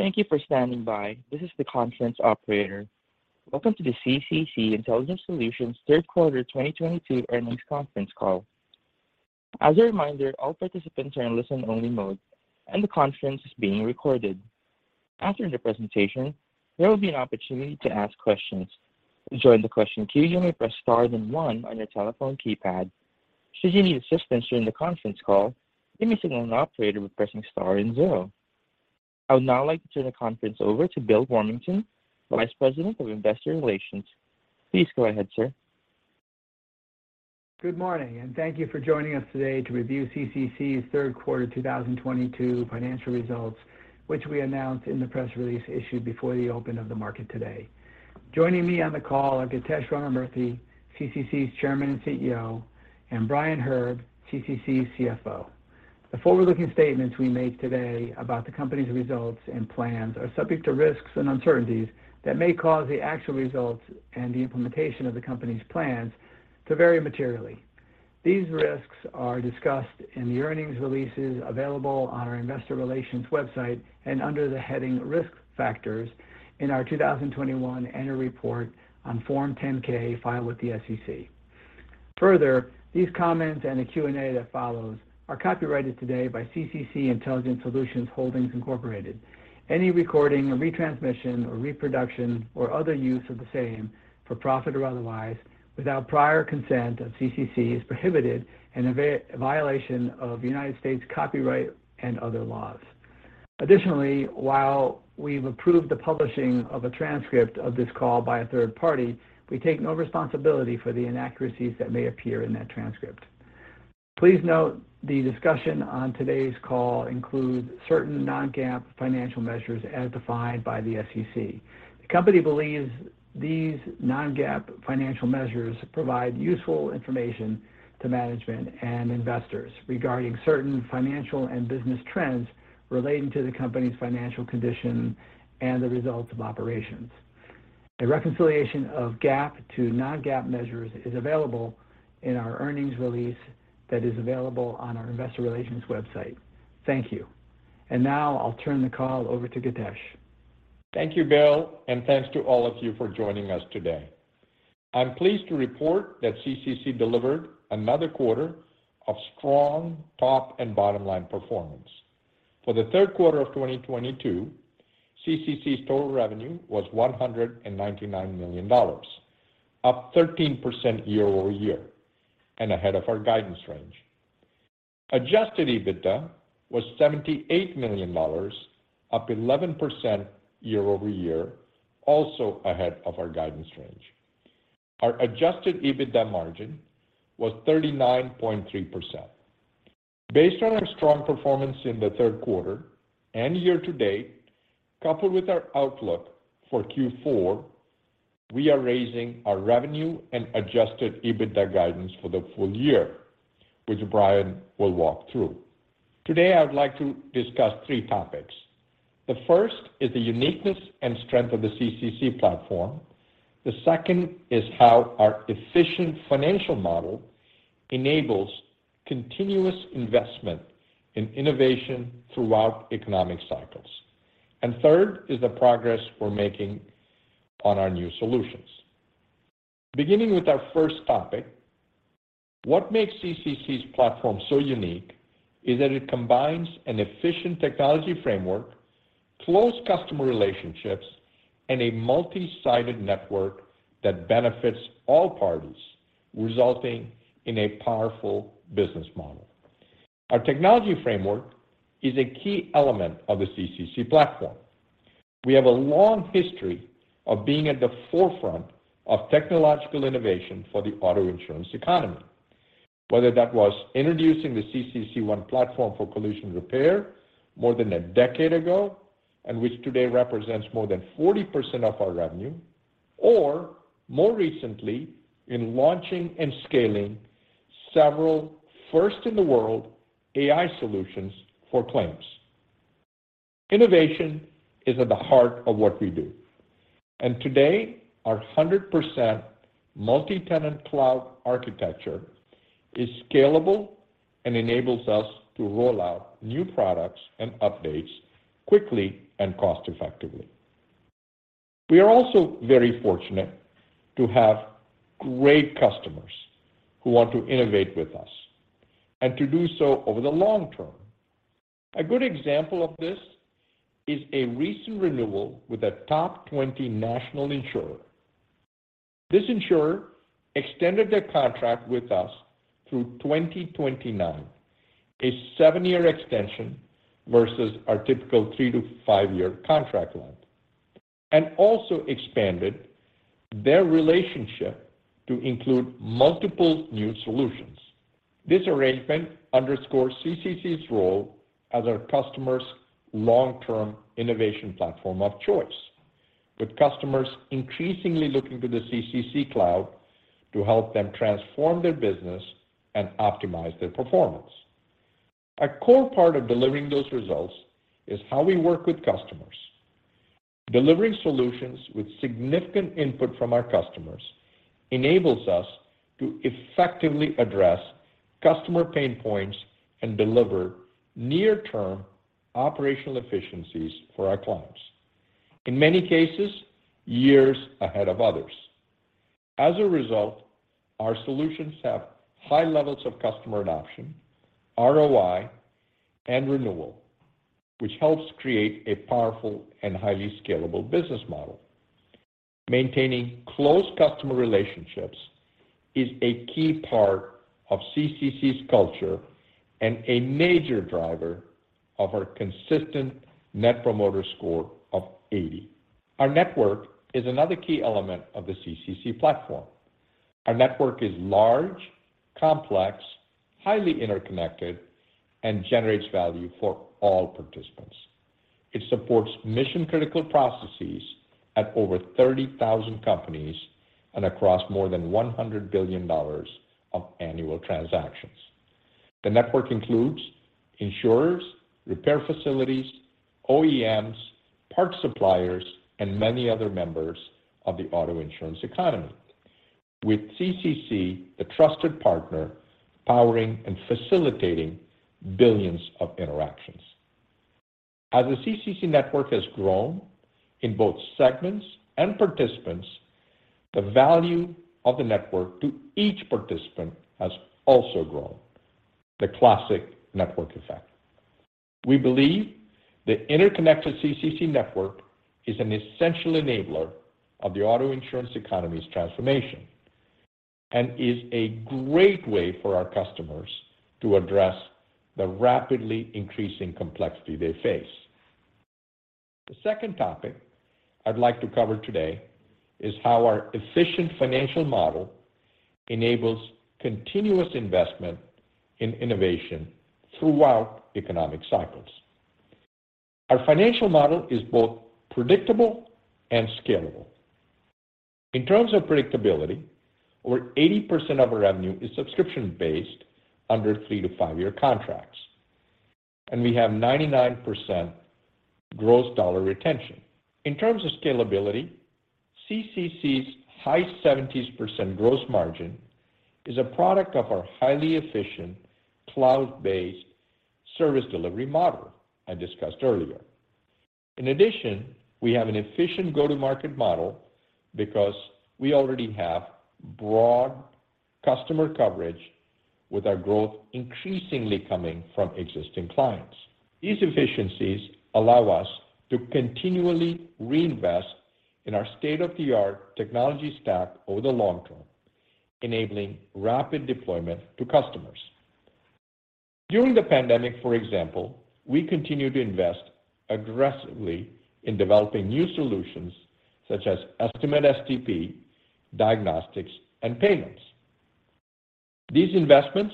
Thank you for standing by. This is the conference operator. Welcome to the CCC Intelligent Solutions Third Quarter 2022 Earnings Conference Call. As a reminder, all participants are in listen-only mode and the conference is being recorded. After the presentation, there will be an opportunity to ask questions. To join the question queue, you may press star then one on your telephone keypad. Should you need assistance during the conference call, you may signal an operator with pressing star and zero. I would now like to turn the conference over to Bill Warmington, Vice President of Investor Relations. Please go ahead, sir. Good morning, and thank you for joining us today to review CCC's Third Quarter 2022 Financial Results, which we announced in the press release issued before the open of the market today. Joining me on the call are Githesh Ramamurthy, CCC's Chairman and CEO, and Brian Herb, CCC's CFO. The forward-looking statements we make today about the company's results and plans are subject to risks and uncertainties that may cause the actual results and the implementation of the company's plans to vary materially. These risks are discussed in the earnings releases available on our investor relations website and under the heading Risk Factors in our 2021 annual report on Form 10-K filed with the SEC. Further, these comments and the Q&A that follows are copyrighted today by CCC Intelligent Solutions Holdings Inc. Any recording or retransmission or reproduction or other use of the same, for profit or otherwise, without prior consent of CCC is prohibited and a violation of United States copyright and other laws. Additionally, while we've approved the publishing of a transcript of this call by a third-party, we take no responsibility for the inaccuracies that may appear in that transcript. Please note the discussion on today's call includes certain non-GAAP financial measures as defined by the SEC. The company believes these non-GAAP financial measures provide useful information to management and investors regarding certain financial and business trends relating to the company's financial condition and the results of operations. A reconciliation of GAAP to non-GAAP measures is available in our earnings release that is available on our investor relations website. Thank you. Now I'll turn the call over to Githesh. Thank you, Bill, and thanks to all of you for joining us today. I'm pleased to report that CCC delivered another quarter of strong top and bottom line performance. For the third quarter of 2022, CCC's total revenue was $199 million, up 13% year-over-year and ahead of our guidance range. Adjusted EBITDA was $78 million, up 11% year-over-year, also ahead of our guidance range. Our adjusted EBITDA margin was 39.3%. Based on our strong performance in the third quarter and year to date, coupled with our outlook for Q4, we are raising our revenue and adjusted EBITDA guidance for the full year, which Brian will walk through. Today, I would like to discuss three topics. The first is the uniqueness and strength of the CCC platform. The second is how our efficient financial model enables continuous investment in innovation throughout economic cycles. Third is the progress we're making on our new solutions. Beginning with our first topic, what makes CCC's platform so unique is that it combines an efficient technology framework, close customer relationships, and a multi-sided network that benefits all parties, resulting in a powerful business model. Our technology framework is a key element of the CCC platform. We have a long history of being at the forefront of technological innovation for the auto insurance economy. Whether that was introducing the CCC ONE platform for collision repair more than a decade ago, and which today represents more than 40% of our revenue, or more recently in launching and scaling several first-in-the-world AI solutions for claims. Innovation is at the heart of what we do, and today our 100% multi-tenant cloud architecture is scalable and enables us to roll out new products and updates quickly and cost effectively. We are also very fortunate to have great customers who want to innovate with us and to do so over the long term. A good example of this is a recent renewal with a top 20 national insurer. This insurer extended their contract with us through 2029, a 7-year extension versus our typical three- to five-year contract length, and also expanded their relationship to include multiple new solutions. This arrangement underscores CCC's role as our customers' long-term innovation platform of choice, with customers increasingly looking to the CCC cloud to help them transform their business and optimize their performance. A core part of delivering those results is how we work with customers. Delivering solutions with significant input from our customers enables us to effectively address customer pain points and deliver near-term operational efficiencies for our clients, in many cases, years ahead of others. As a result, our solutions have high levels of customer adoption, ROI, and renewal, which helps create a powerful and highly scalable business model. Maintaining close customer relationships is a key part of CCC's culture and a major driver of our consistent Net Promoter Score of 80. Our network is another key element of the CCC platform. Our network is large, complex, highly interconnected, and generates value for all participants. It supports mission-critical processes at over 30,000 companies and across more than $100 billion of annual transactions. The network includes insurers, repair facilities, OEMs, parts suppliers, and many other members of the auto insurance economy. With CCC, the trusted partner, powering and facilitating billions of interactions. As the CCC network has grown in both segments and participants, the value of the network to each participant has also grown. The classic network effect. We believe the interconnected CCC network is an essential enabler of the auto insurance economy's transformation and is a great way for our customers to address the rapidly increasing complexity they face. The second topic I'd like to cover today is how our efficient financial model enables continuous investment in innovation throughout economic cycles. Our financial model is both predictable and scalable. In terms of predictability, over 80% of our revenue is subscription-based under 3- to 5-year contracts, and we have 99% gross dollar retention. In terms of scalability, CCC's high 70s% gross margin is a product of our highly efficient cloud-based service delivery model I discussed earlier. In addition, we have an efficient go-to-market model because we already have broad customer coverage with our growth increasingly coming from existing clients. These efficiencies allow us to continually reinvest in our state-of-the-art technology stack over the long term, enabling rapid deployment to customers. During the pandemic, for example, we continued to invest aggressively in developing new solutions such as Estimate STP, diagnostics, and payments. These investments,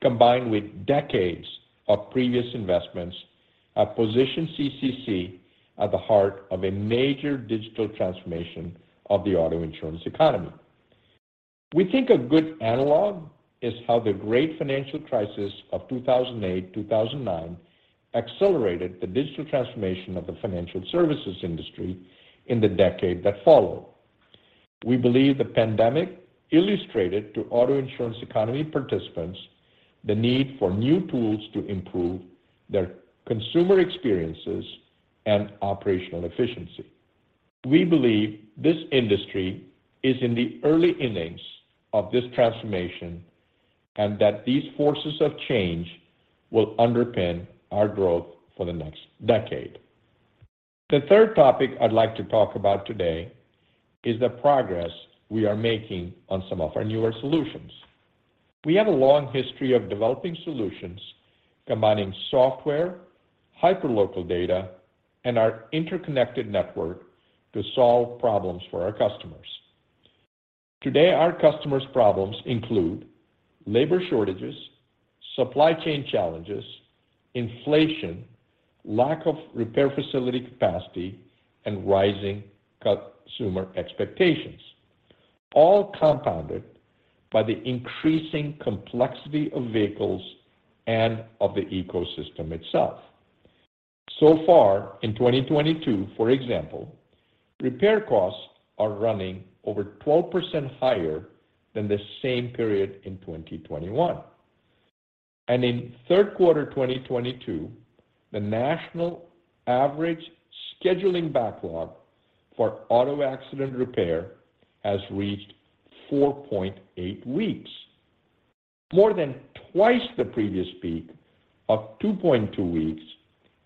combined with decades of previous investments, have positioned CCC at the heart of a major digital transformation of the auto insurance economy. We think a good analog is how the great financial crisis of 2008, 2009 accelerated the digital transformation of the financial services industry in the decade that followed. We believe the pandemic illustrated to auto insurance economy participants the need for new tools to improve their consumer experiences and operational efficiency. We believe this industry is in the early innings of this transformation, and that these forces of change will underpin our growth for the next decade. The third topic I'd like to talk about today is the progress we are making on some of our newer solutions. We have a long history of developing solutions combining software, hyperlocal data, and our interconnected network to solve problems for our customers. Today, our customers' problems include labor shortages, supply chain challenges, inflation, lack of repair facility capacity, and rising consumer expectations, all compounded by the increasing complexity of vehicles and of the ecosystem itself. So far in 2022, for example, repair costs are running over 12% higher than the same period in 2021. In third quarter 2022, the national average scheduling backlog for auto accident repair has reached four point eight weeks, more than twice the previous peak of two point two weeks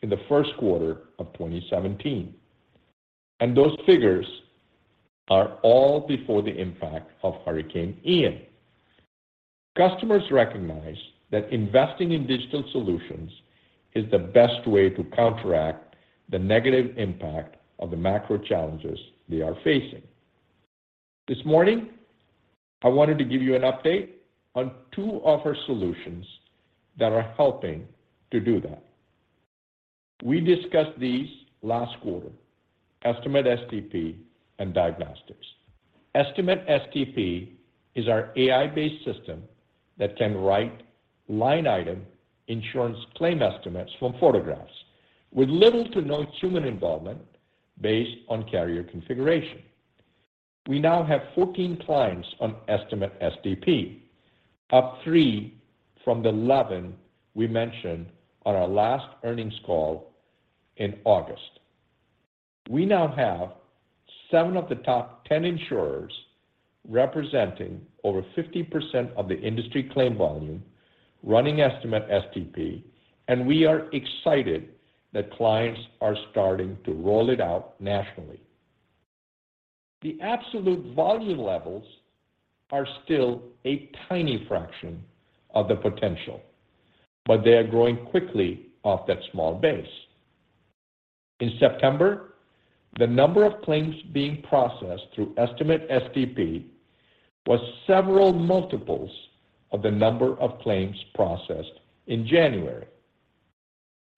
in the first quarter of 2017. Those figures are all before the impact of Hurricane Ian. Customers recognize that investing in digital solutions is the best way to counteract the negative impact of the macro challenges they are facing. This morning, I wanted to give you an update on two of our solutions that are helping to do that. We discussed these last quarter, Estimate STP and Diagnostics. Estimate STP is our AI-based system that can write line item insurance claim estimates from photographs with little to no human involvement based on carrier configuration. We now have 14 clients on Estimate STP, up three from the 11 we mentioned on our last earnings call in August. We now have seven of the top 10 insurers representing over 50% of the industry claim volume running Estimate STP, and we are excited that clients are starting to roll it out nationally. The absolute volume levels are still a tiny fraction of the potential, but they are growing quickly off that small base. In September, the number of claims being processed through Estimate STP was several multiples of the number of claims processed in January.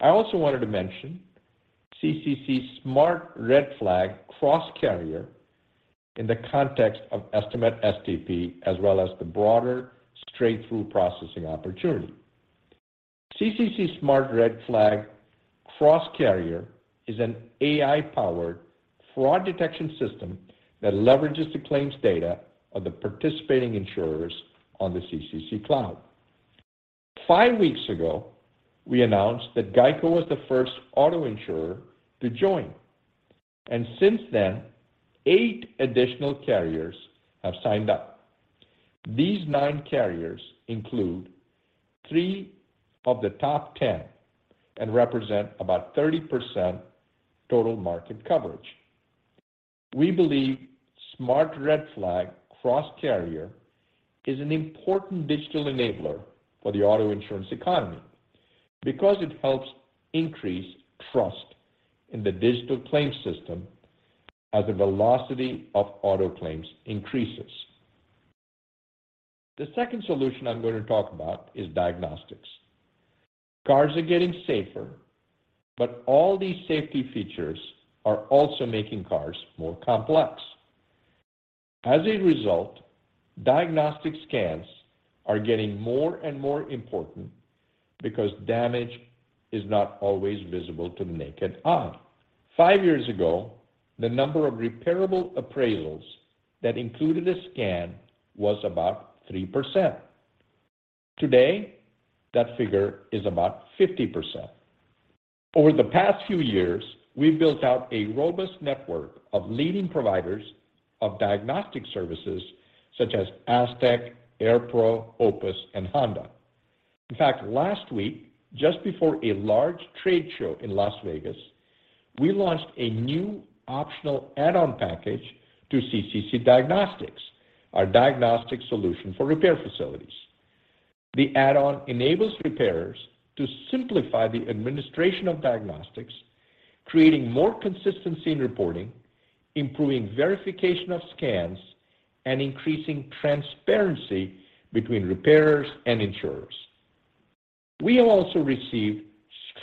I also wanted to mention CCC Smart Red Flag Cross-Carrier in the context of Estimate STP, as well as the broader straight-through processing opportunity. CCC Smart Red Flag Cross-Carrier is an AI-powered fraud detection system that leverages the claims data of the participating insurers on the CCC cloud. five weeks ago, we announced that GEICO was the first auto insurer to join, and since then, 8 additional carriers have signed up. These nine carriers include three of the top 10 and represent about 30% total market coverage. We believe Smart Red Flag Cross-Carrier is an important digital enabler for the auto insurance economy because it helps increase trust in the digital claims system as the velocity of auto claims increases. The second solution I'm going to talk about is diagnostics. Cars are getting safer, but all these safety features are also making cars more complex. As a result, diagnostic scans are getting more and more important because damage is not always visible to the naked eye. Five years ago, the number of repairable appraisals that included a scan was about 3%. Today, that figure is about 50%. Over the past few years, we've built out a robust network of leading providers of diagnostic services such as asTech, AirPro, Opus, and Honda. In fact, last week, just before a large trade show in Las Vegas, we launched a new optional add-on package to CCC Diagnostics, our diagnostic solution for repair facilities. The add-on enables repairers to simplify the administration of diagnostics, creating more consistency in reporting, improving verification of scans, and increasing transparency between repairers and insurers. We have also received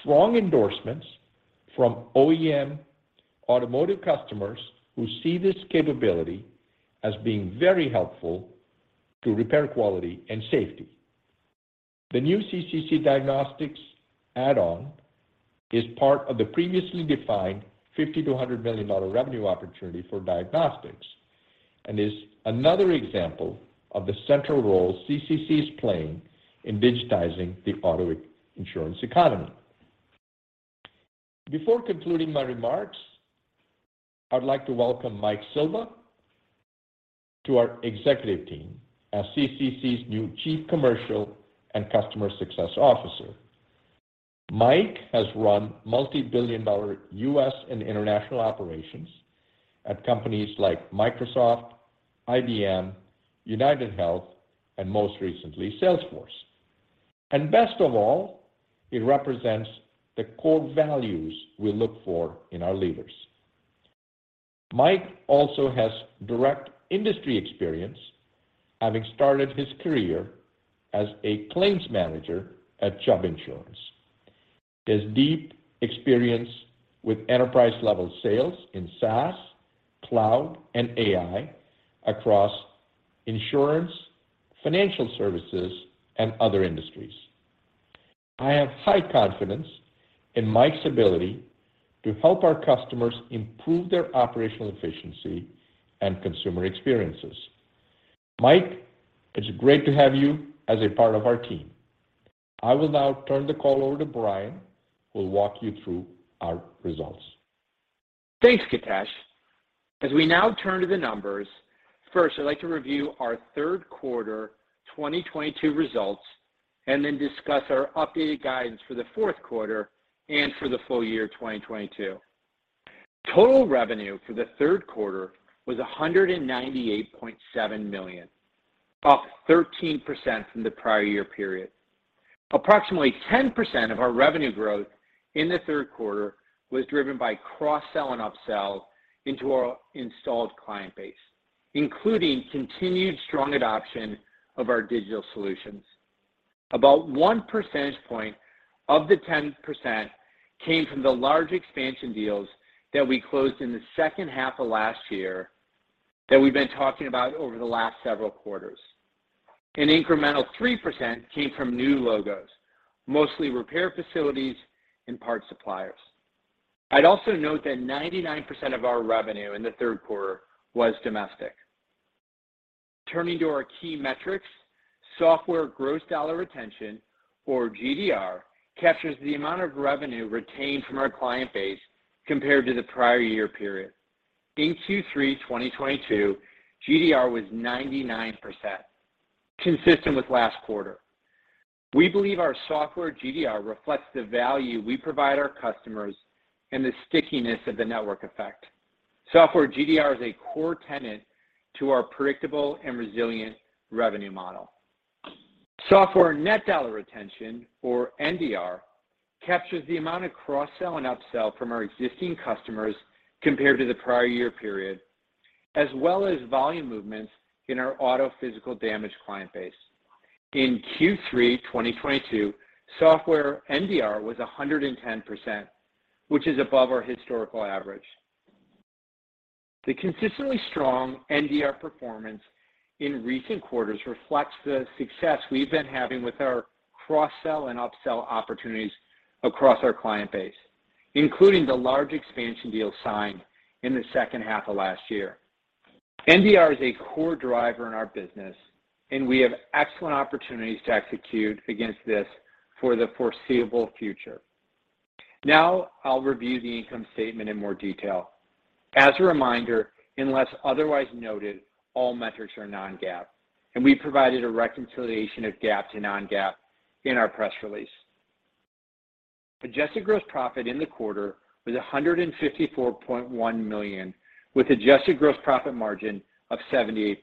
strong endorsements from OEM automotive customers who see this capability as being very helpful to repair quality and safety. The new CCC Diagnostics add-on is part of the previously defined $50-$100 million revenue opportunity for diagnostics and is another example of the central role CCC is playing in digitizing the auto insurance economy. Before concluding my remarks, I'd like to welcome Mike Silva to our executive team as CCC's new Chief Commercial and Customer Success Officer. Mike has run multi-billion dollar U.S. and international operations at companies like Microsoft, IBM, UnitedHealth, and most recently, Salesforce. Best of all, he represents the core values we look for in our leaders. Mike also has direct industry experience, having started his career as a claims manager at Chubb Insurance. He has deep experience with enterprise-level sales in SaaS, cloud, and AI across insurance, financial services, and other industries. I have high confidence in Mike's ability to help our customers improve their operational efficiency and consumer experiences. Mike, it's great to have you as a part of our team. I will now turn the call over to Brian, who will walk you through our results. Thanks, Githesh. As we now turn to the numbers, first, I'd like to review our third quarter 2022 results and then discuss our updated guidance for the fourth quarter and for the full year 2022. Total revenue for the third quarter was $198.7 million, up 13% from the prior year period. Approximately 10% of our revenue growth in the third quarter was driven by cross-sell and upsell into our installed client base, including continued strong adoption of our digital solutions. About one percentage point of the 10% came from the large expansion deals that we closed in the second half of last year that we've been talking about over the last several quarters. An incremental 3% came from new logos, mostly repair facilities and parts suppliers. I'd also note that 99% of our revenue in the third quarter was domestic. Turning to our key metrics, software gross dollar retention, or GDR, captures the amount of revenue retained from our client base compared to the prior year period. In Q3 2022, GDR was 99%, consistent with last quarter. We believe our software GDR reflects the value we provide our customers and the stickiness of the network effect. Software GDR is a core tenet to our predictable and resilient revenue model. Software net dollar retention, or NDR, captures the amount of cross-sell and upsell from our existing customers compared to the prior year period, as well as volume movements in our auto physical damage client base. In Q3 2022, software NDR was 110%, which is above our historical average. The consistently strong NDR performance in recent quarters reflects the success we've been having with our cross-sell and upsell opportunities across our client base, including the large expansion deals signed in the second half of last year. NDR is a core driver in our business, and we have excellent opportunities to execute against this for the foreseeable future. Now I'll review the income statement in more detail. As a reminder, unless otherwise noted, all metrics are non-GAAP, and we provided a reconciliation of GAAP to non-GAAP in our press release. Adjusted gross profit in the quarter was $154.1 million, with adjusted gross profit margin of 78%,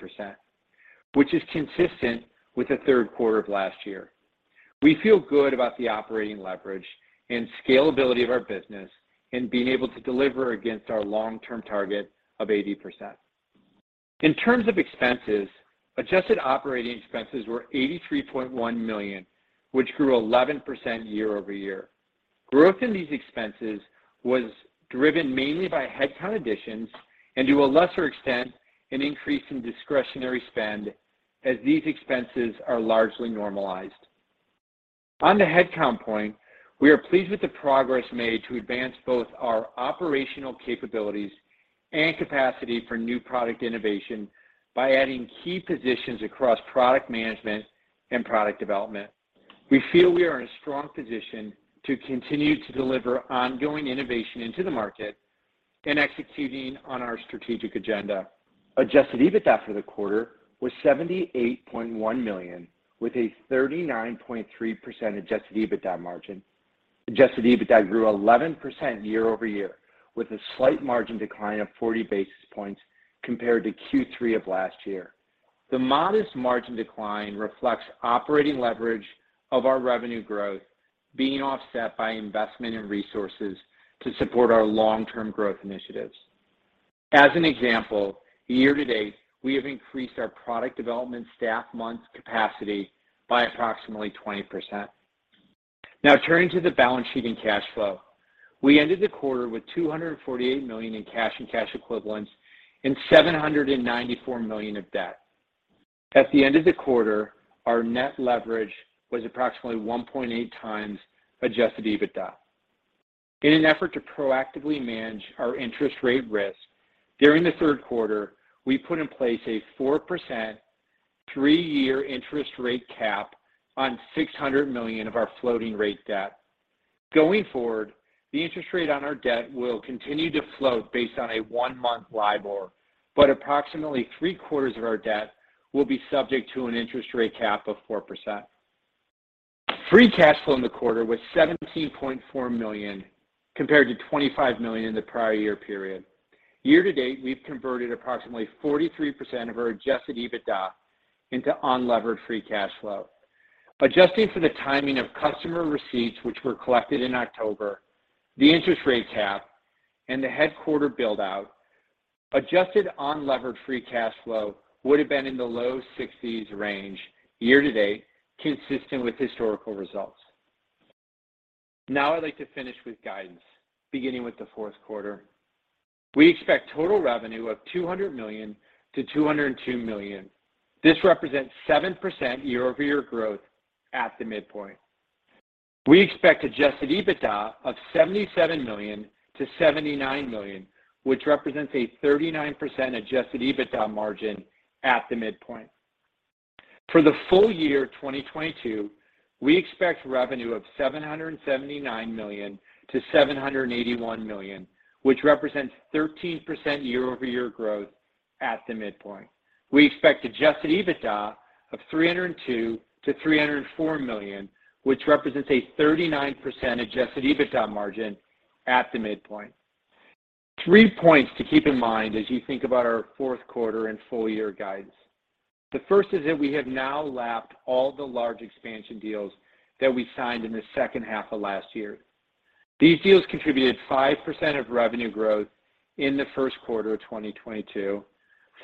which is consistent with the third quarter of last year. We feel good about the operating leverage and scalability of our business and being able to deliver against our long-term target of 80%. In terms of expenses, adjusted operating expenses were $83.1 million, which grew 11% year-over-year. Growth in these expenses was driven mainly by headcount additions and, to a lesser extent, an increase in discretionary spend as these expenses are largely normalized. On the headcount point, we are pleased with the progress made to advance both our operational capabilities and capacity for new product innovation by adding key positions across product management and product development. We feel we are in a strong position to continue to deliver ongoing innovation into the market and executing on our strategic agenda. Adjusted EBITDA for the quarter was $78.1 million, with a 39.3% adjusted EBITDA margin. Adjusted EBITDA grew 11% year-over-year, with a slight margin decline of 40 basis points compared to Q3 of last year. The modest margin decline reflects operating leverage of our revenue growth being offset by investment in resources to support our long-term growth initiatives. As an example, year to date, we have increased our product development staff month capacity by approximately 20%. Now turning to the balance sheet and cash flow. We ended the quarter with $248 million in cash and cash equivalents and $794 million of debt. At the end of the quarter, our net leverage was approximately 1.8 times adjusted EBITDA. In an effort to proactively manage our interest rate risk, during the third quarter, we put in place a 4% three-year interest rate cap on $600 million of our floating rate debt. Going forward, the interest rate on our debt will continue to float based on a one-month LIBOR, but approximately three-quarters of our debt will be subject to an interest rate cap of 4%. Free cash flow in the quarter was $17.4 million compared to $25 million in the prior year period. Year-to-date, we've converted approximately 43% of our adjusted EBITDA into unlevered free cash flow. Adjusting for the timing of customer receipts, which were collected in October, the interest rate cap, and the headquarters build-out, adjusted unlevered free cash flow would have been in the low 60s range year-to-date, consistent with historical results. Now I'd like to finish with guidance, beginning with the fourth quarter. We expect total revenue of $200 million-$202 million. This represents 7% year-over-year growth at the midpoint. We expect adjusted EBITDA of $77 million-$79 million, which represents a 39% adjusted EBITDA margin at the midpoint. For the full year 2022, we expect revenue of $779 million-$781 million, which represents 13% year-over-year growth at the midpoint. We expect adjusted EBITDA of $302 million-$304 million, which represents a 39% adjusted EBITDA margin at the midpoint. Three points to keep in mind as you think about our fourth quarter and full year guidance. The first is that we have now lapped all the large expansion deals that we signed in the second half of last year. These deals contributed 5% of revenue growth in the first quarter of 2022,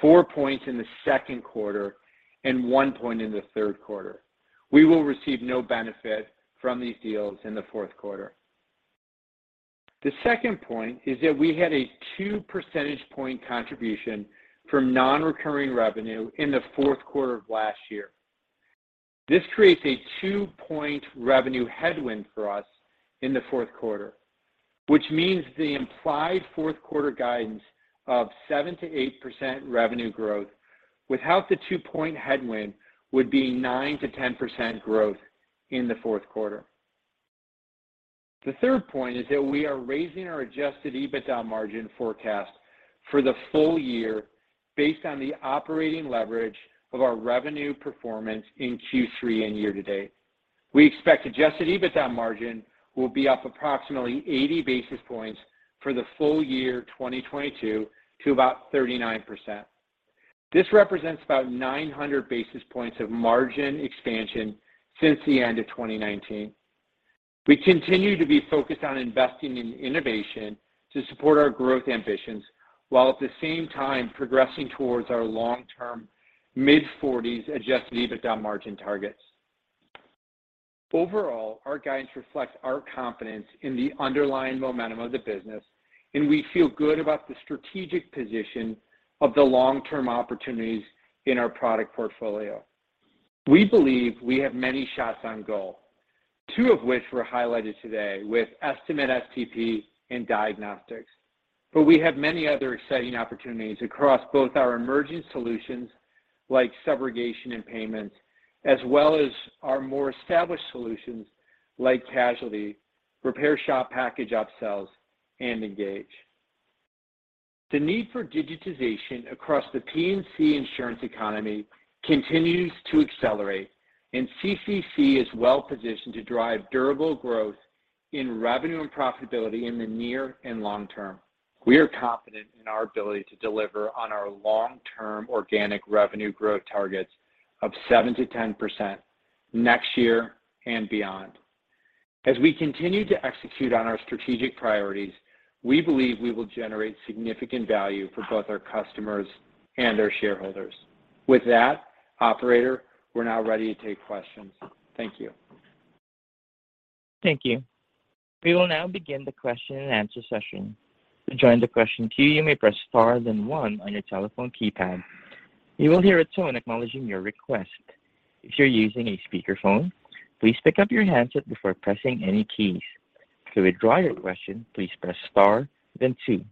4 points in the second quarter, and 1 point in the third quarter. We will receive no benefit from these deals in the fourth quarter. The second point is that we had a two percentage point contribution from non-recurring revenue in the fourth quarter of last year. This creates a two-point revenue headwind for us in the fourth quarter, which means the implied fourth quarter guidance of 7%-8% revenue growth without the two-point headwind would be 9%-10% growth in the fourth quarter. The third point is that we are raising our adjusted EBITDA margin forecast for the full year based on the operating leverage of our revenue performance in Q3 and year to date. We expect adjusted EBITDA margin will be up approximately 80 basis points for the full year 2022 to about 39%. This represents about 900 basis points of margin expansion since the end of 2019. We continue to be focused on investing in innovation to support our growth ambitions, while at the same time progressing towards our long-term mid-forties adjusted EBITDA margin targets. Overall, our guidance reflects our confidence in the underlying momentum of the business, and we feel good about the strategic position of the long-term opportunities in our product portfolio. We believe we have many shots on goal, two of which were highlighted today with Estimate STP and Diagnostics. We have many other exciting opportunities across both our emerging solutions, like subrogation and payments, as well as our more established solutions like Casualty, repair shop package upsells and Engage. The need for digitization across the P&C insurance economy continues to accelerate, and CCC is well-positioned to drive durable growth in revenue and profitability in the near and long term. We are confident in our ability to deliver on our long-term organic revenue growth targets of 7%-10% next year and beyond. As we continue to execute on our strategic priorities, we believe we will generate significant value for both our customers and our shareholders. With that, operator, we're now ready to take questions. Thank you. Thank you. We will now begin the question and answer session. To join the question queue, you may press star then one on your telephone keypad. You will hear a tone acknowledging your request. If you're using a speakerphone, please pick up your handset before pressing any keys. To withdraw your question, please press star, then two.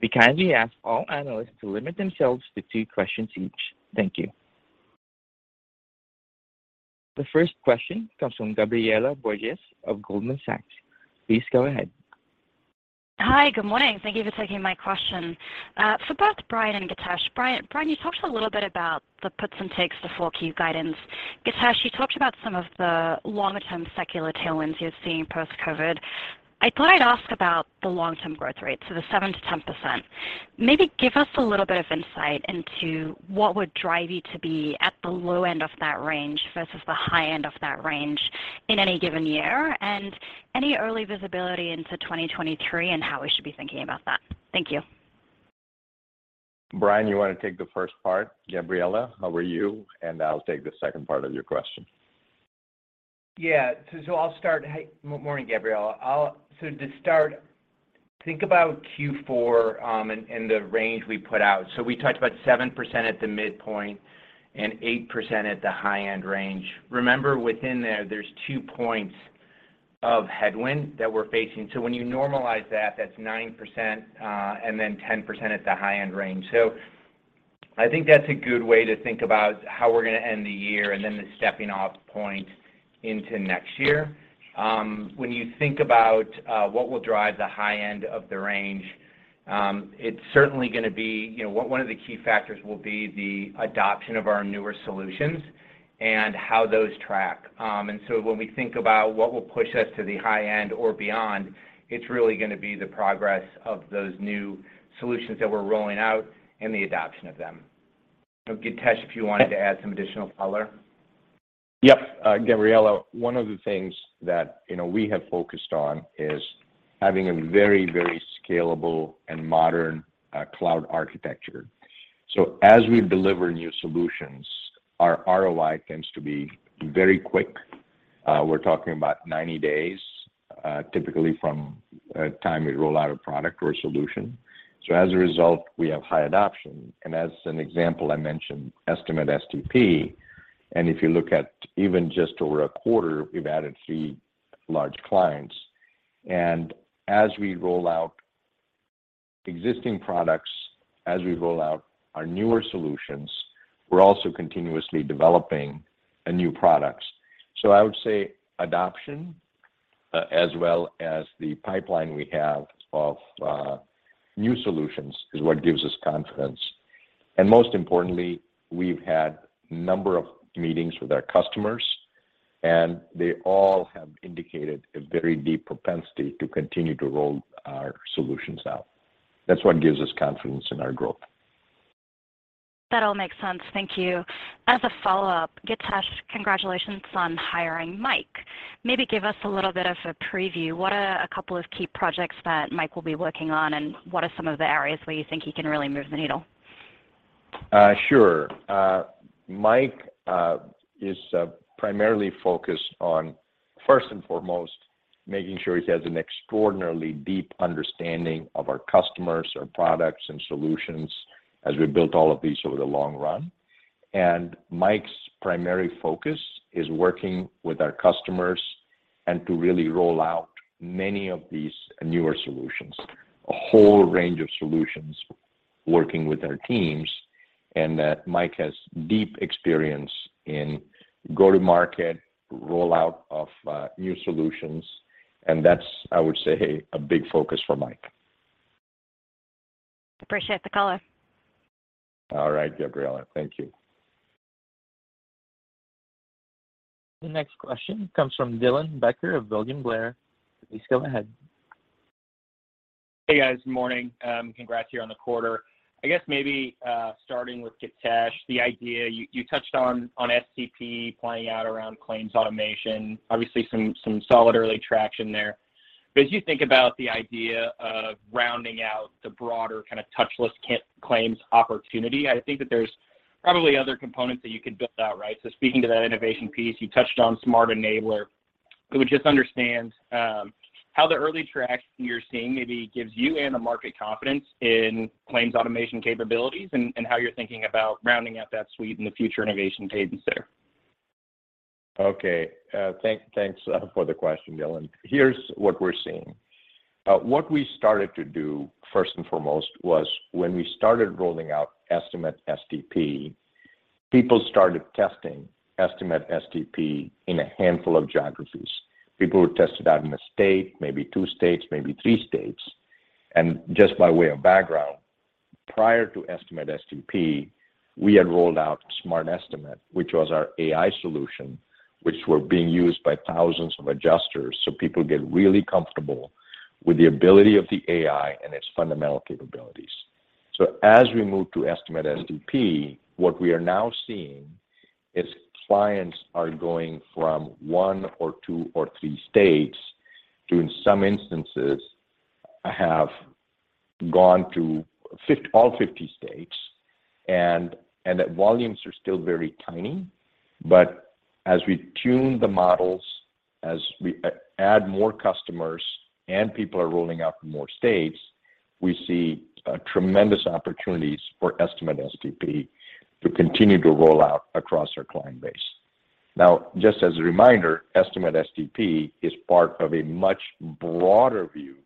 We kindly ask all analysts to limit themselves to two questions each. Thank you. The first question comes from Gabriela Borges of Goldman Sachs. Please go ahead. Hi, good morning. Thank you for taking my question. For both Brian and Githesh. Brian, you talked a little bit about the puts and takes, the full-year guidance. Githesh, you talked about some of the longer-term secular tailwinds you're seeing post-COVID. I thought I'd ask about the long-term growth rate, so the 7%-10%. Maybe give us a little bit of insight into what would drive you to be at the low end of that range versus the high end of that range in any given year, and any early visibility into 2023 and how we should be thinking about that. Thank you. Brian, you want to take the first part, Gabriela? Over to you, and I'll take the second part of your question. Yeah. I'll start. Hey, morning, Gabriela. To start, think about Q4 and the range we put out. We talked about 7% at the midpoint and 8% at the high-end range. Remember within there's two points of headwind that we're facing. When you normalize that's 9% and then 10% at the high-end range. I think that's a good way to think about how we're gonna end the year and then the stepping off point into next year. When you think about what will drive the high end of the range, it's certainly gonna be, you know, one of the key factors will be the adoption of our newer solutions and how those track. When we think about what will push us to the high end or beyond, it's really gonna be the progress of those new solutions that we're rolling out and the adoption of them. Githesh, if you wanted to add some additional color. Yep. Gabriela, one of the things that, you know, we have focused on is having a very, very scalable and modern, cloud architecture. As we deliver new solutions, our ROI tends to be very quick. We're talking about 90 days, typically from a time we roll out a product or a solution. As a result, we have high adoption. As an example, I mentioned Estimate STP. If you look at even just over a quarter, we've added three large clients. As we roll out existing products, as we roll out our newer solutions, we're also continuously developing new products. I would say adoption, as well as the pipeline we have of, new solutions is what gives us confidence. Most importantly, we've had a number of meetings with our customers, and they all have indicated a very deep propensity to continue to roll our solutions out. That's what gives us confidence in our growth. That all makes sense. Thank you. As a follow-up, Githesh, congratulations on hiring Mike. Maybe give us a little bit of a preview. What are a couple of key projects that Mike will be working on, and what are some of the areas where you think he can really move the needle? Sure. Mike is primarily focused on, first and foremost, making sure he has an extraordinarily deep understanding of our customers, our products and solutions as we built all of these over the long run. Mike's primary focus is working with our customers and to really roll out many of these newer solutions, a whole range of solutions working with our teams, and that Mike has deep experience in go-to-market rollout of new solutions. That's, I would say, a big focus for Mike. Appreciate the color. All right, Gabriela. Thank you. The next question comes from Dylan Becker of William Blair. Please go ahead. Hey, guys. Morning. Congrats here on the quarter. I guess maybe starting with Githesh, the idea you touched on STP playing out around claims automation, obviously some solid early traction there. As you think about the idea of rounding out the broader kind of touchless claims opportunity, I think that there's probably other components that you could build out, right? Speaking to that innovation piece, you touched on Smart Enabler. I would just understand how the early traction you're seeing maybe gives you and the market confidence in claims automation capabilities and how you're thinking about rounding out that suite and the future innovation cadence there. Okay. Thanks for the question, Dylan. Here's what we're seeing. What we started to do, first and foremost, was when we started rolling out Estimate STP, people started testing Estimate STP in a handful of geographies. People were testing out in a state, maybe two states, maybe three states. Just by way of background, prior to Estimate STP, we had rolled out Smart Estimate, which was our AI solution, which were being used by thousands of adjusters. People get really comfortable with the ability of the AI and its fundamental capabilities. As we move to Estimate STP, what we are now seeing is clients are going from one or two or three states to, in some instances, have gone to all 50 states. And that volumes are still very tiny. As we tune the models, as we add more customers and people are rolling out in more states, we see tremendous opportunities for Estimate STP to continue to roll out across our client base. Now, just as a reminder, Estimate STP is part of a much broader view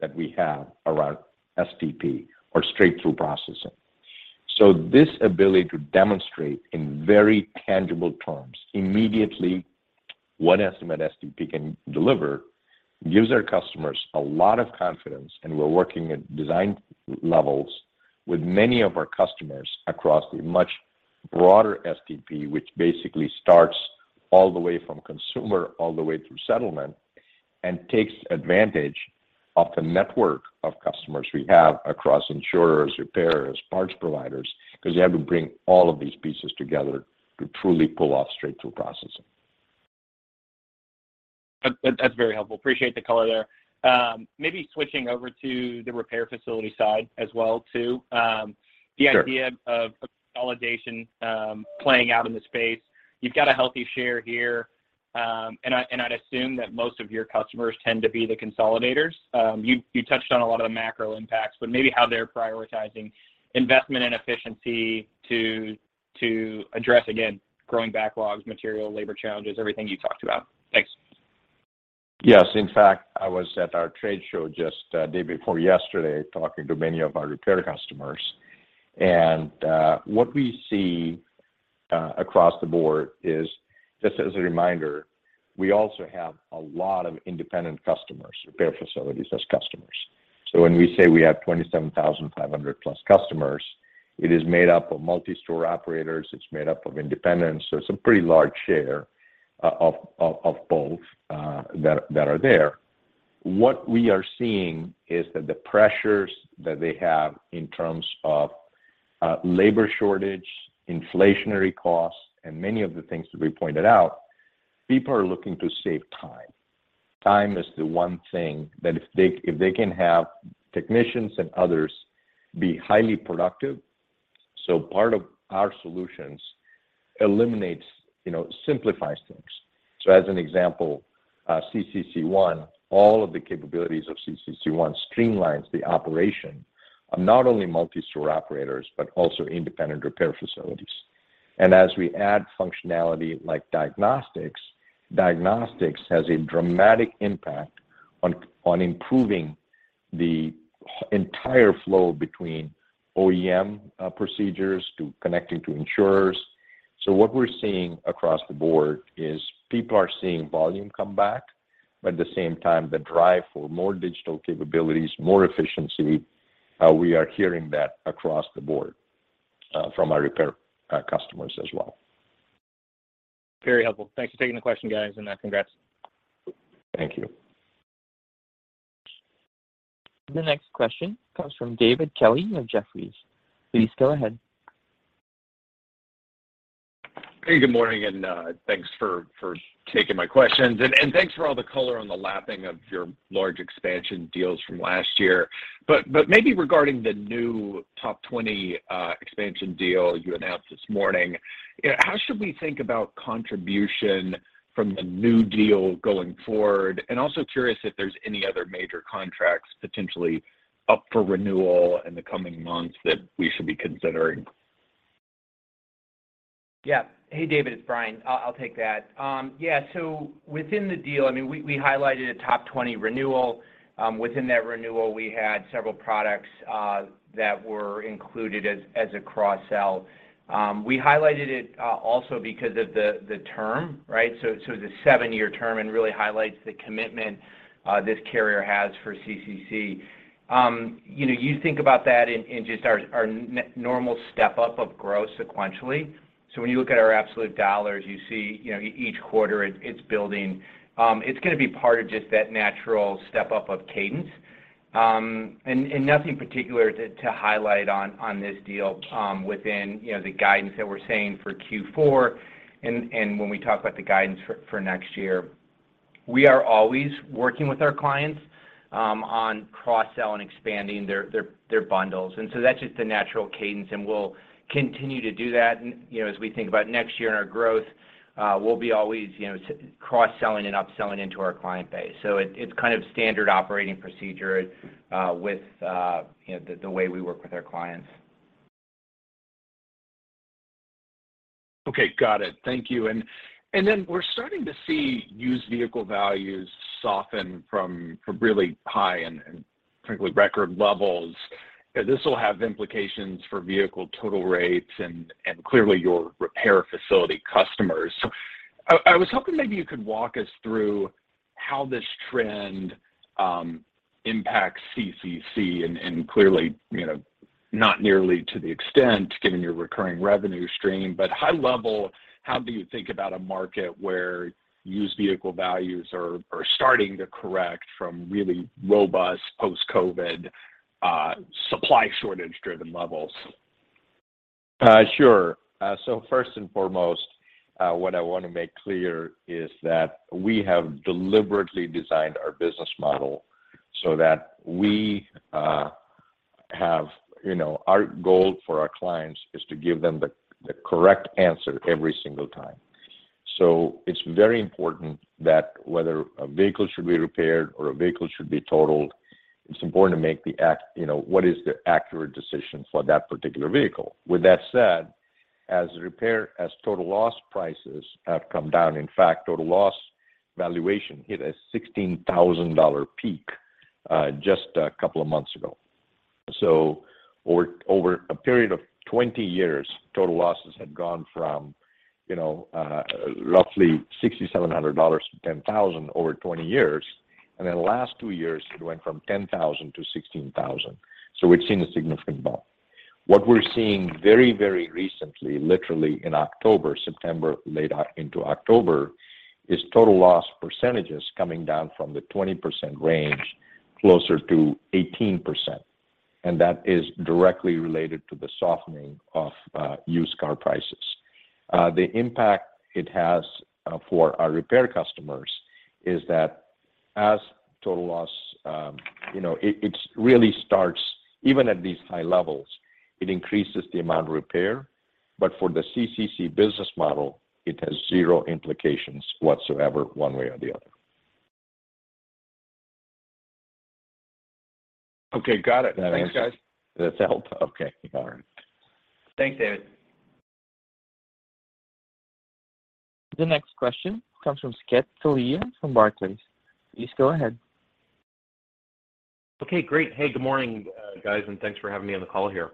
that we have around STP or straight-through processing. This ability to demonstrate in very tangible terms immediately what Estimate STP can deliver gives our customers a lot of confidence, and we're working at design levels with many of our customers across the much broader STP, which basically starts all the way from consumer all the way through settlement and takes advantage of the network of customers we have across insurers, repairers, parts providers, because you have to bring all of these pieces together to truly pull off straight-through processing. That's very helpful. Appreciate the color there. Maybe switching over to the repair facility side as well too. Sure. The idea of consolidation playing out in the space. You've got a healthy share here, and I'd assume that most of your customers tend to be the consolidators. You touched on a lot of the macro impacts, but maybe how they're prioritizing investment and efficiency to address, again, growing backlogs, material, labor challenges, everything you talked about. Thanks. Yes. In fact, I was at our trade show just day before yesterday, talking to many of our repair customers. What we see across the board is, just as a reminder, we also have a lot of independent customers, repair facilities as customers. When we say we have 27,500 plus customers, it is made up of multi-store operators, it's made up of independents. It's a pretty large share of both that are there. What we are seeing is that the pressures that they have in terms of labor shortage, inflationary costs, and many of the things that we pointed out, people are looking to save time. Time is the one thing that if they can have technicians and others be highly productive. Part of our solutions eliminates, you know, simplifies things. As an example, CCC ONE, all of the capabilities of CCC ONE streamlines the operation of not only multi-store operators, but also independent repair facilities. As we add functionality like diagnostics has a dramatic impact on improving the entire flow between OEM procedures to connecting to insurers. What we're seeing across the board is people are seeing volume come back, but at the same time, the drive for more digital capabilities, more efficiency, we are hearing that across the board from our repair customers as well. Very helpful. Thanks for taking the question, guys. Congrats. Thank you. The next question comes from David Kelley of Jefferies. Please go ahead. Hey, good morning and thanks for taking my questions. Thanks for all the color on the lapping of your large expansion deals from last year. Maybe regarding the new top 20 expansion deal you announced this morning, you know, how should we think about contribution from the new deal going forward? Also curious if there's any other major contracts potentially up for renewal in the coming months that we should be considering. Yeah. Hey, David Kelley, it's Brian Herb. I'll take that. Yeah, so within the deal, I mean, we highlighted a top 20 renewal. Within that renewal we had several products that were included as a cross-sell. We highlighted it also because of the term, right? The seven-year term really highlights the commitment this carrier has for CCC. You know, you think about that in just our normal step up of growth sequentially. When you look at our absolute dollars, you see, you know, each quarter it's building. It's gonna be part of just that natural step up of cadence. Nothing particular to highlight on this deal within the guidance that we're saying for Q4, and when we talk about the guidance for next year. We are always working with our clients on cross-sell and expanding their bundles. That's just the natural cadence, and we'll continue to do that. You know, as we think about next year and our growth, we'll be always, you know, cross-selling and upselling into our client base. It's kind of standard operating procedure with you know, the way we work with our clients. Okay. Got it. Thank you. Then we're starting to see used vehicle values soften from really high and frankly record levels. This will have implications for vehicle total rates and clearly your repair facility customers. I was hoping maybe you could walk us through how this trend impacts CCC, and clearly, you know, not nearly to the extent given your recurring revenue stream. High level, how do you think about a market where used vehicle values are starting to correct from really robust post-COVID supply shortage driven levels? Sure. So first and foremost, what I wanna make clear is that we have deliberately designed our business model so that we have. You know, our goal for our clients is to give them the correct answer every single time. So it's very important that whether a vehicle should be repaired or a vehicle should be totaled, it's important to make you know, what is the accurate decision for that particular vehicle. With that said, as total loss prices have come down, in fact, total loss valuation hit a $16,000 peak just a couple of months ago. So over a period of 20 years, total losses had gone from you know, roughly $6,700 to $10,000 over 20 years. In the last 2 years it went from $10,000 to $16,000. We've seen a significant bump. What we're seeing very, very recently, literally in late September into October, is total loss percentages coming down from the 20% range closer to 18%, and that is directly related to the softening of used car prices. The impact it has for our repair customers is that as total loss it really starts even at these high levels, it increases the amount of repair. For the CCC business model, it has zero implications whatsoever one way or the other. Okay. Got it. Does that answer? Thanks, guys. Does that help? Okay. All right. Thanks, David. The next question comes from Saket Kalia from Barclays. Please go ahead. Okay. Great. Hey, good morning, guys, and thanks for having me on the call here.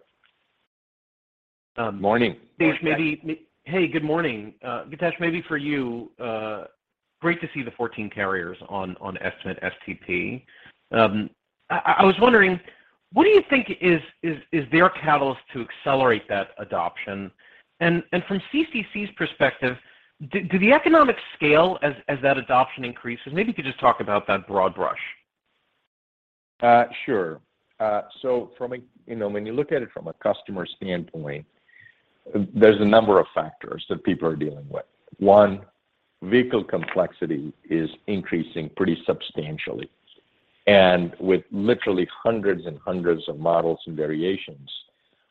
Morning. Morning, Saket. Saket, hey, good morning. Githesh, maybe for you, great to see the 14 carriers on Estimate STP. I was wondering, what do you think is their catalyst to accelerate that adoption? And from CCC's perspective, do the economics scale as that adoption increases? Maybe you could just talk about that broad brush. Sure. From a customer standpoint, there's a number of factors that people are dealing with. One, vehicle complexity is increasing pretty substantially. With literally hundreds and hundreds of models and variations,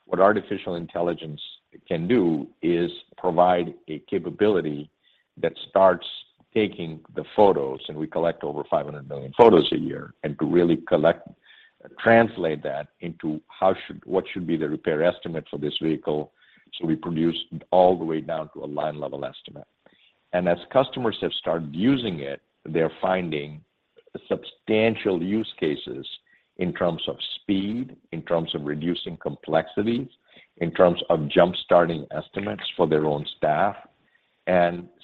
what artificial intelligence can do is provide a capability that starts taking the photos, and we collect over 500 million photos a year, and to really collect, translate that into how should, what should be the repair estimate for this vehicle, so we produce all the way down to a line level estimate. As customers have started using it, they're finding substantial use cases in terms of speed, in terms of reducing complexities, in terms of jump-starting estimates for their own staff.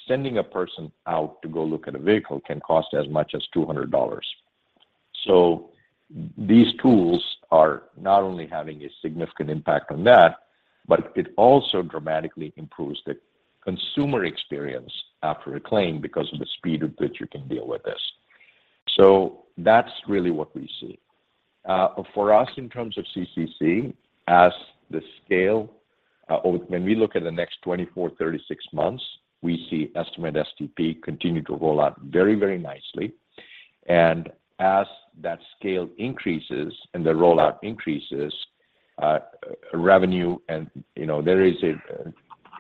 Sending a person out to go look at a vehicle can cost as much as $200. These tools are not only having a significant impact on that. It also dramatically improves the consumer experience after a claim because of the speed at which you can deal with this. That's really what we see. For us in terms of CCC, as the scale, when we look at the next 24, 36 months, we see Estimate STP continue to roll out very, very nicely. And as that scale increases and the rollout increases, revenue and, you know, there is a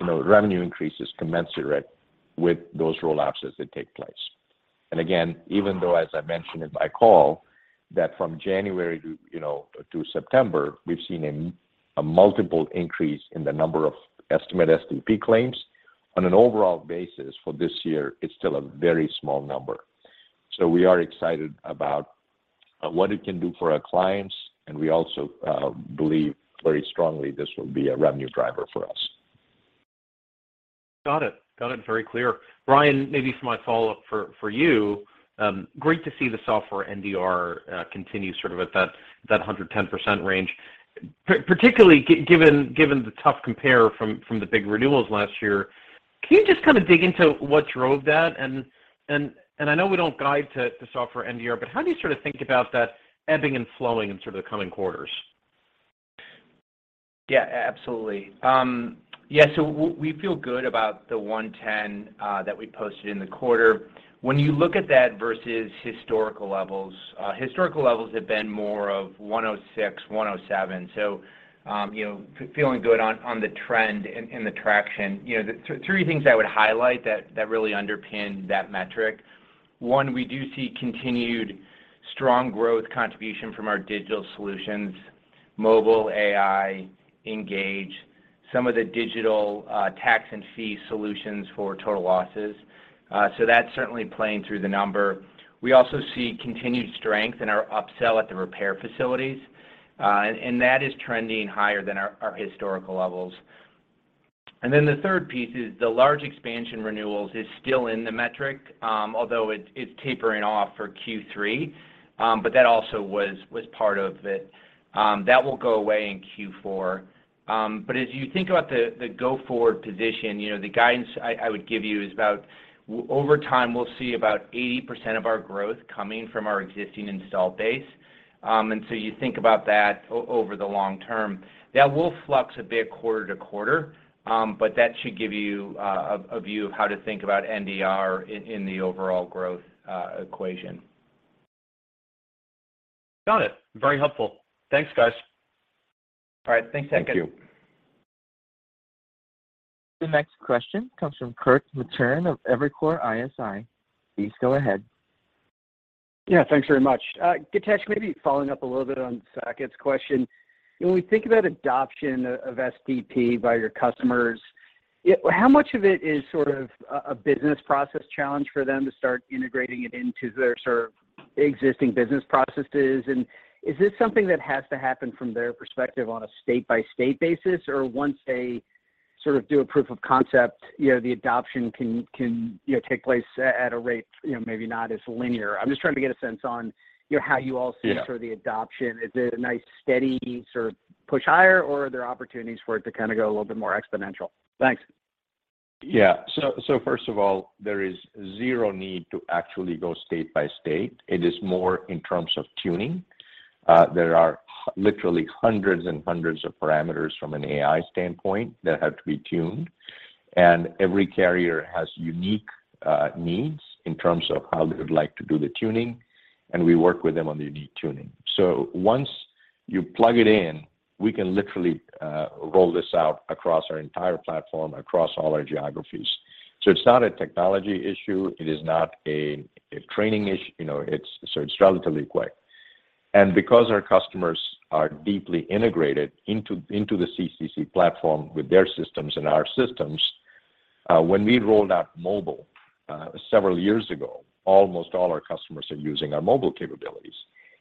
revenue increase is commensurate with those rollouts as they take place. Again, even though as I mentioned in my call that from January to September, we've seen a multiple increase in the number of Estimate STP claims on an overall basis for this year, it's still a very small number. We are excited about what it can do for our clients, and we also believe very strongly this will be a revenue driver for us. Got it. Very clear. Brian, maybe my follow-up for you. Great to see the software NDR continue sort of at that 110% range, particularly given the tough compare from the big renewals last year. Can you just kind of dig into what drove that? I know we don't guide to software NDR, but how do you sort of think about that ebbing and flowing in sort of the coming quarters? Yeah, absolutely. We feel good about the 110 that we posted in the quarter. When you look at that versus historical levels, historical levels have been more of 106, 107. You know, feeling good on the trend and the traction. You know, the three things I would highlight that really underpin that metric. One, we do see continued strong growth contribution from our digital solutions, Mobile AI, Engage, some of the digital tax and fee solutions for total losses. That's certainly playing through the number. We also see continued strength in our upsell at the repair facilities, and that is trending higher than our historical levels. The third piece is the large expansion renewals is still in the metric, although it's tapering off for Q3, but that also was part of it. That will go away in Q4. As you think about the go forward position, you know, the guidance I would give you is about over time, we'll see about 80% of our growth coming from our existing installed base. You think about that over the long term. That will flux a bit quarter to quarter, but that should give you a view of how to think about NDR in the overall growth equation. Got it. Very helpful. Thanks, guys. All right. Thanks, Saket. Thank you. The next question comes from Kirk Materne of Evercore ISI. Please go ahead. Yeah, thanks very much. Githesh, maybe following up a little bit on Saket's question. When we think about adoption of SDP by your customers, how much of it is sort of a business process challenge for them to start integrating it into their sort of existing business processes? And is this something that has to happen from their perspective on a state-by-state basis? Or once they sort of do a proof of concept, you know, the adoption can, you know, take place at a rate, you know, maybe not as linear. I'm just trying to get a sense on, you know, how you all see. Yeah. Sort of the adoption. Is it a nice steady sort of push higher, or are there opportunities for it to kind of go a little bit more exponential? Thanks. Yeah. First of all, there is zero need to actually go state by state. It is more in terms of tuning. There are literally hundreds and hundreds of parameters from an AI standpoint that have to be tuned, and every carrier has unique needs in terms of how they would like to do the tuning, and we work with them on the unique tuning. Once you plug it in, we can literally roll this out across our entire platform, across all our geographies. It's not a technology issue, it is not a training issue, you know, it's relatively quick. Because our customers are deeply integrated into the CCC platform with their systems and our systems, when we rolled out mobile several years ago, almost all our customers are using our mobile capabilities.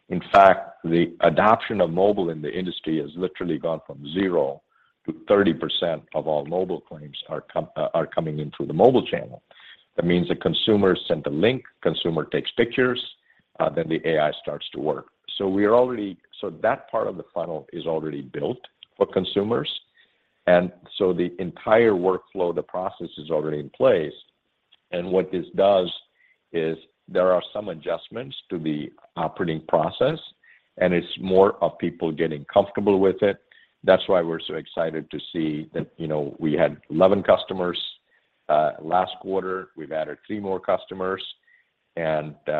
In fact, the adoption of mobile in the industry has literally gone from 0%-30% of all mobile claims are coming in through the mobile channel. That means the consumer sent a link, consumer takes pictures, then the AI starts to work. That part of the funnel is already built for consumers. The entire workflow, the process is already in place. What this does is there are some adjustments to the operating process, and it's more of people getting comfortable with it. That's why we're so excited to see that, you know, we had 11 customers last quarter. We've added three more customers. Does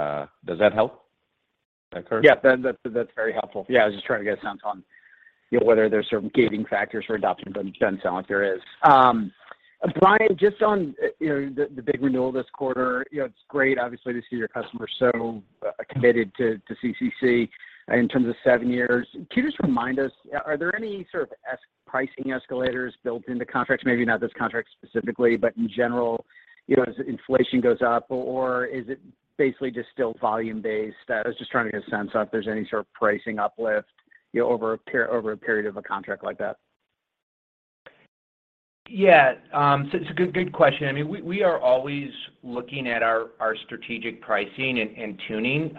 that help, Kirk? That's very helpful. Yeah, I was just trying to get a sense on, you know, whether there's certain gating factors for adoption, but it doesn't sound like there is. Brian, just on, you know, the big renewal this quarter, you know, it's great obviously to see your customers so committed to CCC in terms of seven years. Can you just remind us, are there any sort of pricing escalators built into contracts? Maybe not this contract specifically, but in general, you know, as inflation goes up or is it basically just still volume-based? I was just trying to get a sense if there's any sort of pricing uplift, you know, over a period of a contract like that. Yeah. So it's a good question. I mean, we are always looking at our strategic pricing and tuning.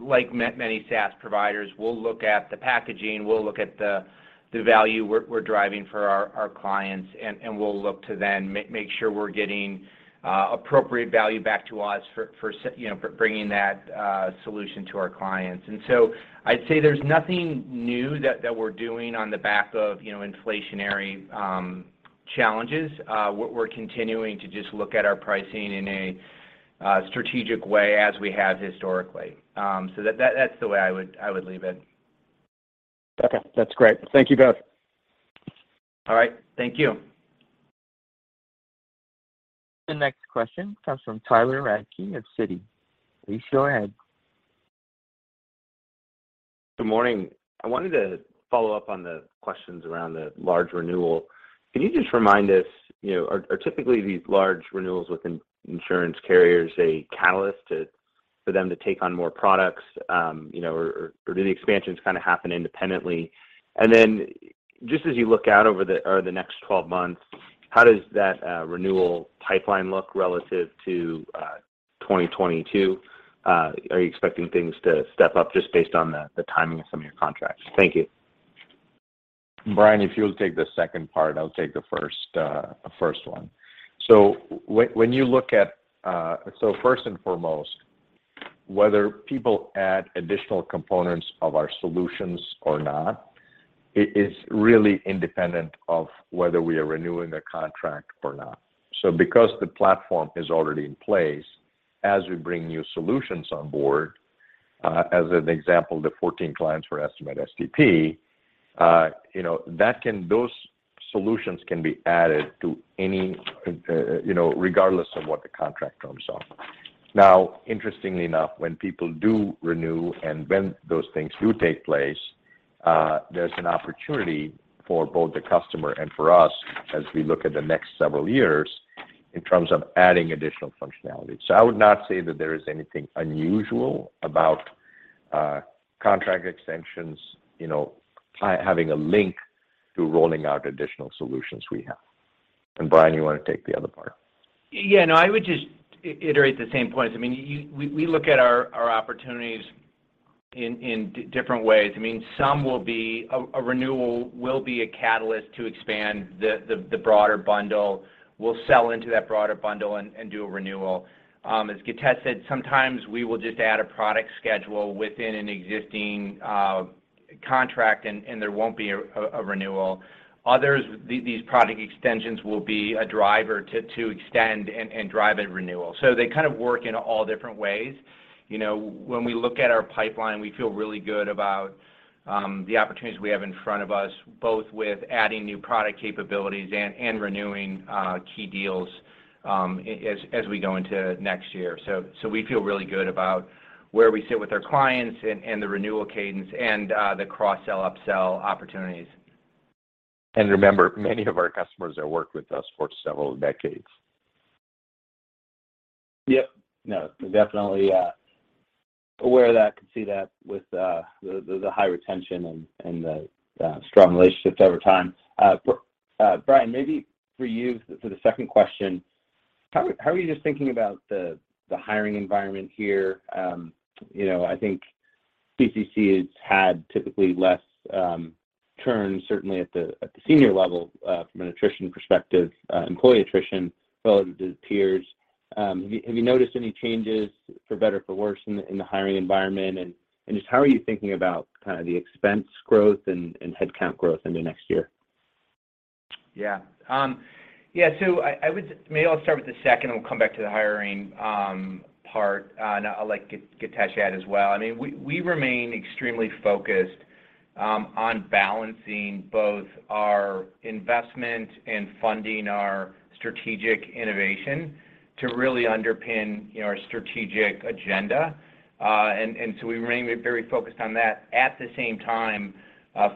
Like many SaaS providers, we'll look at the packaging, we'll look at the value we're driving for our clients, and we'll look to then make sure we're getting appropriate value back to us for, you know, for bringing that solution to our clients. I'd say there's nothing new that we're doing on the back of, you know, inflationary challenges. We're continuing to just look at our pricing in a strategic way as we have historically. That's the way I would leave it. Okay. That's great. Thank you both. All right. Thank you. The next question comes from Tyler Radke of Citi. Please go ahead. Good morning. I wanted to follow up on the questions around the large renewal. Can you just remind us, you know, are typically these large renewals within insurance carriers a catalyst for them to take on more products, you know, or do the expansions kinda happen independently? Just as you look out over the next 12 months, how does that renewal pipeline look relative to 2022? Are you expecting things to step up just based on the timing of some of your contracts? Thank you. Brian, if you'll take the second part, I'll take the first one. First and foremost, whether people add additional components of our solutions or not, is really independent of whether we are renewing the contract or not. Because the platform is already in place, as we bring new solutions on board, as an example, the 14 clients for Estimate STP, you know, those solutions can be added to any, you know, regardless of what the contract terms are. Now, interestingly enough, when people do renew and when those things do take place, there's an opportunity for both the customer and for us as we look at the next several years in terms of adding additional functionality. I would not say that there is anything unusual about contract extensions, you know, having a link to rolling out additional solutions we have. Brian, you wanna take the other part. Yeah, no, I would just iterate the same points. I mean, we look at our opportunities in different ways. I mean, some will be. A renewal will be a catalyst to expand the broader bundle. We'll sell into that broader bundle and do a renewal. As Githesh said, sometimes we will just add a product schedule within an existing contract and there won't be a renewal. Others, these product extensions will be a driver to extend and drive a renewal. They kind of work in all different ways. You know, when we look at our pipeline, we feel really good about the opportunities we have in front of us, both with adding new product capabilities and renewing key deals, as we go into next year. We feel really good about where we sit with our clients and the renewal cadence and the cross-sell, upsell opportunities. Remember, many of our customers have worked with us for several decades. Yep. No, definitely aware of that. Can see that with the high retention and the strong relationships over time. Brian, maybe for you, for the second question, how are you just thinking about the hiring environment here? You know, I think CCC has had typically less churn, certainly at the senior level, from an attrition perspective, employee attrition relative to peers. Have you noticed any changes for better or for worse in the hiring environment? Just how are you thinking about kind of the expense growth and headcount growth into next year? I would maybe start with the second and we'll come back to the hiring part. I'll let Githesh add as well. I mean, we remain extremely focused on balancing both our investment and funding our strategic innovation to really underpin, you know, our strategic agenda. We remain very focused on that, at the same time,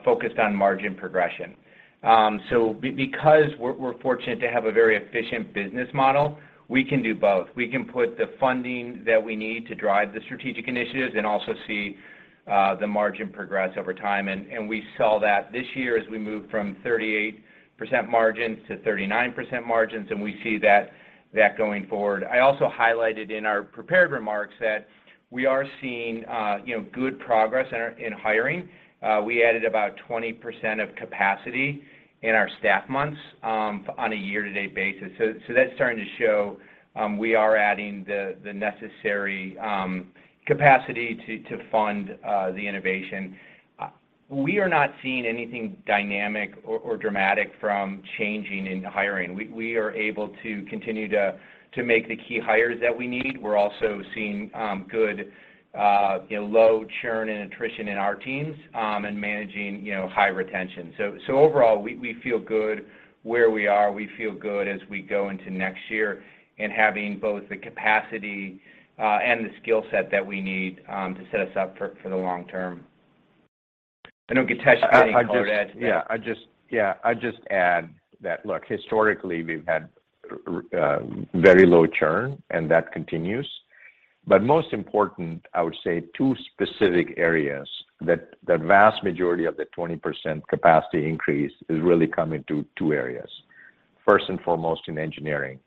focused on margin progression. Because we're fortunate to have a very efficient business model, we can do both. We can put the funding that we need to drive the strategic initiatives and also see the margin progress over time. We saw that this year as we moved from 38% margins to 39% margins, and we see that going forward. I also highlighted in our prepared remarks that we are seeing, you know, good progress in our in hiring. We added about 20% of capacity in our staff months on a year-to-date basis. That's starting to show. We are adding the necessary capacity to fund the innovation. We are not seeing anything dynamic or dramatic from changing in hiring. We are able to continue to make the key hires that we need. We're also seeing good, you know, low churn and attrition in our teams and managing, you know, high retention. Overall, we feel good where we are. We feel good as we go into next year and having both the capacity and the skill set that we need to set us up for the long term. I know Githesh may have more to add to that. I'd just add that, look, historically, we've had very low churn, and that continues. Most important, I would say two specific areas that the vast majority of the 20% capacity increase is really coming to two areas. First and foremost, in engineering,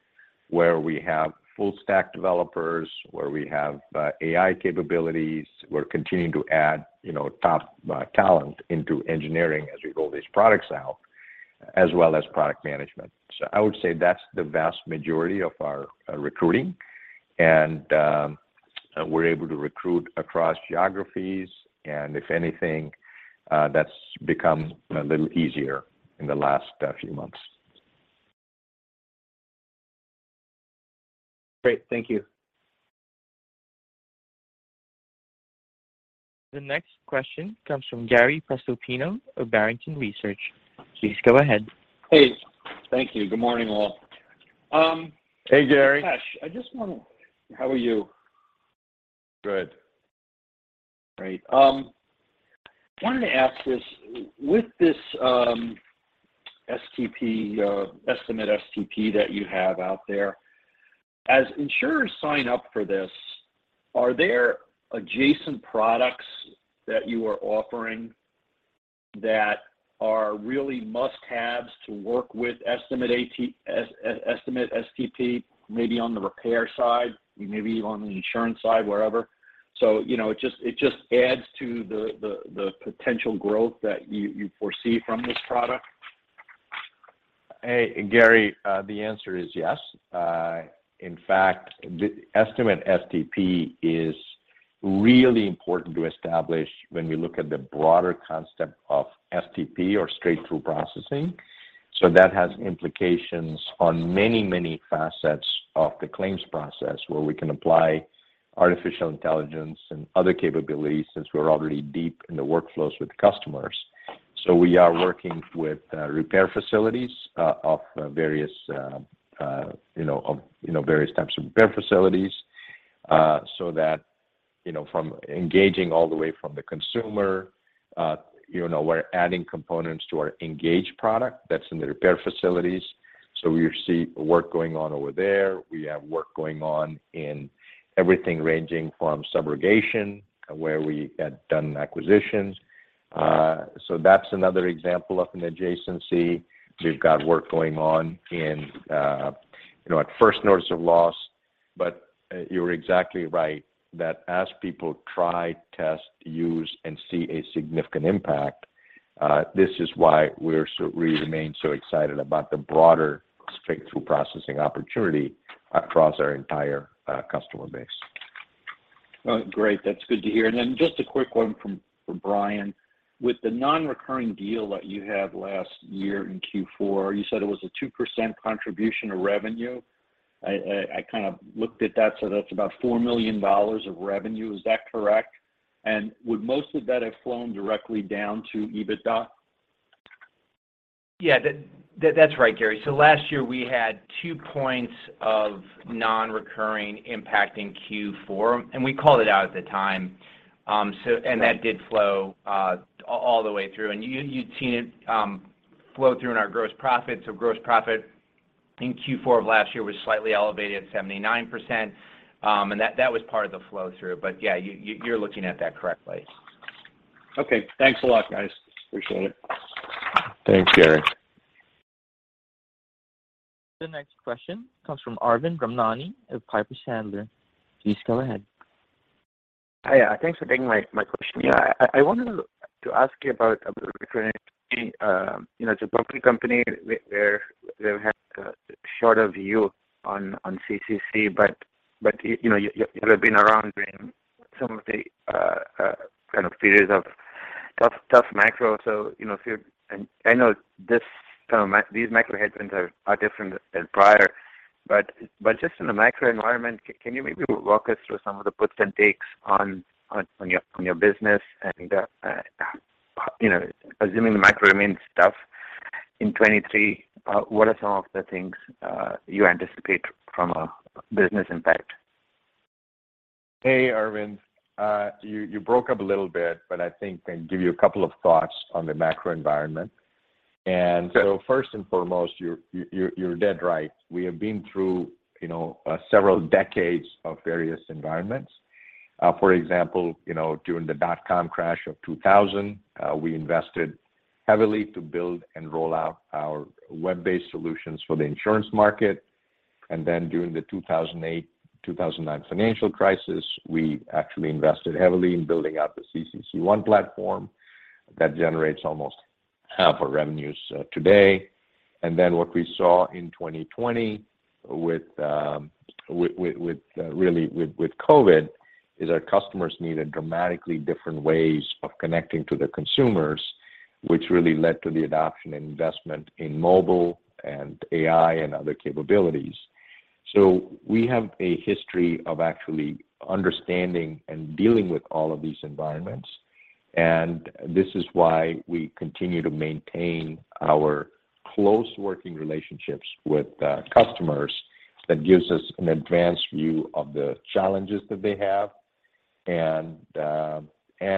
where we have full stack developers, where we have AI capabilities. We're continuing to add, you know, top talent into engineering as we roll these products out, as well as product management. I would say that's the vast majority of our recruiting, and we're able to recruit across geographies, and if anything, that's become a little easier in the last few months. Great. Thank you. The next question comes from Gary Prestopino of Barrington Research. Please go ahead. Hey. Thank you. Good morning, all. Hey, Gary. Githesh, how are you? Good. Great. Wanted to ask this. With this, STP, Estimate STP that you have out there, as insurers sign up for this, are there adjacent products that you are offering that are really must-haves to work with Estimate STP, maybe on the repair side, maybe on the insurance side, wherever? You know, it just adds to the potential growth that you foresee from this product. Hey, Gary, the answer is yes. In fact, the Estimate STP is really important to establish when we look at the broader concept of STP or straight-through processing. That has implications on many, many facets of the claims process where we can apply artificial intelligence and other capabilities since we're already deep in the workflows with customers. We are working with repair facilities of various types of repair facilities, so that, you know, from engaging all the way from the consumer, you know, we're adding components to our Engage product that's in the repair facilities. We see work going on over there. We have work going on in everything ranging from subrogation, where we had done acquisitions. That's another example of an adjacency. We've got work going on in, you know, at first notice of loss. You're exactly right that as people try, test, use, and see a significant impact, this is why we remain so excited about the broader straight-through processing opportunity across our entire customer base. Well, great. That's good to hear. Then just a quick one from Brian. With the non-recurring deal that you had last year in Q4, you said it was a 2% contribution of revenue. I kind of looked at that, so that's about $4 million of revenue. Is that correct? And would most of that have flown directly down to EBITDA? Yeah. That's right, Gary. Last year, we had two points of non-recurring impact in Q4, and we called it out at the time. That did flow all the way through. You'd seen it flow through in our gross profit. Gross profit in Q4 of last year was slightly elevated, 79%, and that was part of the flow-through. Yeah, you're looking at that correctly. Okay. Thanks a lot, guys. Appreciate it. Thanks, Gary. The next question comes from Arvind Ramnani of Piper Sandler. Please go ahead. Hi. Thanks for taking my question. Yeah. I wanted to ask you about recruiting. You know, as a public company where they've had a shorter view on CCC, but you know, you have been around during some of the kind of periods of tough macro. You know, and I know this, some of these macro headwinds are different than prior. But just in the macro environment, can you maybe walk us through some of the puts and takes on your business and you know, assuming the macro remains tough in 2023, what are some of the things you anticipate from a business impact? Hey, Arvind. You broke up a little bit, but I think I can give you a couple of thoughts on the macro environment. First and foremost, you're dead right. We have been through, you know, several decades of various environments. For example, you know, during the Dotcom crash of 2000, we invested heavily to build and roll out our web-based solutions for the insurance market. Then during the 2008-2009 financial crisis, we actually invested heavily in building out the CCC ONE platform that generates almost half our revenues today. Then what we saw in 2020 with COVID is our customers needed dramatically different ways of connecting to their consumers, which really led to the adoption and investment in mobile and AI and other capabilities. We have a history of actually understanding and dealing with all of these environments, and this is why we continue to maintain our close working relationships with customers that gives us an advanced view of the challenges that they have.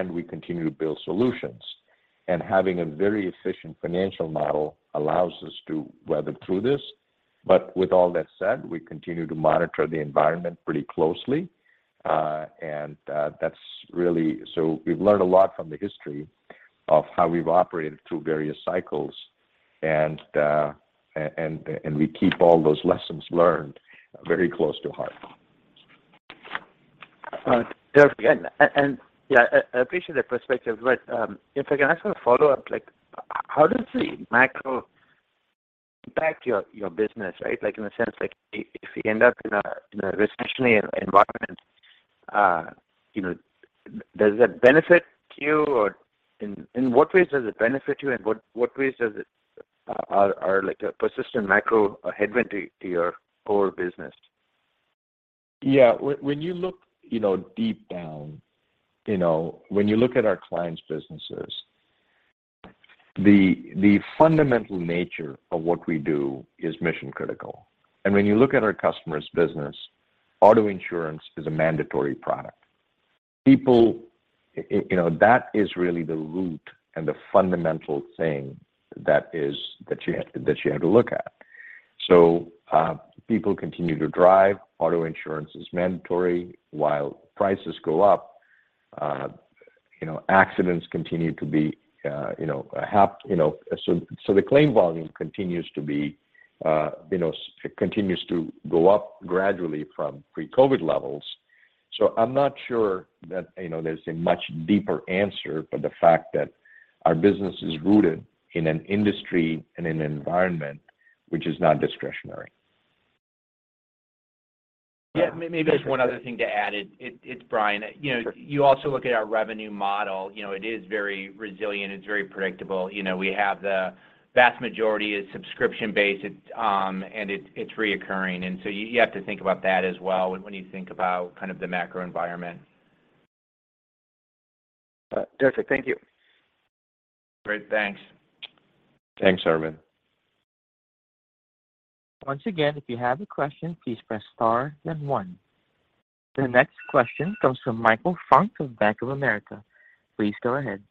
We continue to build solutions. Having a very efficient financial model allows us to weather through this. With all that said, we continue to monitor the environment pretty closely. We've learned a lot from the history of how we've operated through various cycles, and we keep all those lessons learned very close to heart. Terrific. Yeah, I appreciate that perspective. If I can ask a follow-up, like how does the macro impact your business, right? Like in the sense like if you end up in a recessionary environment, you know, does that benefit you or in what ways does it benefit you and what ways are like a persistent macro a headwind to your core business? Yeah. When you look, you know, deep down, you know, when you look at our clients' businesses, the fundamental nature of what we do is mission-critical. When you look at our customers' business, auto insurance is a mandatory product. People, you know, that is really the root and the fundamental thing that you have to look at. People continue to drive, auto insurance is mandatory. While prices go up, you know, accidents continue to happen, you know. So the claim volume continues to go up gradually from pre-COVID levels. I'm not sure that, you know, there's a much deeper answer for the fact that our business is rooted in an industry and an environment which is not discretionary. Yeah. Maybe there's one other thing to add. It's Brian. You know, you also look at our revenue model, you know, it is very resilient, it's very predictable. You know, we have the vast majority is subscription-based, it's and it's reoccurring. You have to think about that as well when you think about kind of the macro environment. Terrific. Thank you. Great. Thanks. Thanks, Arvind. Once again, if you have a question, please press star then one. The next question comes from Michael Funk of Bank of America. Please go ahead.